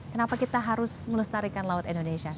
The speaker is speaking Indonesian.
kenapa kita harus melestarikan laut indonesia